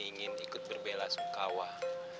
ingin ikut berbela sukawah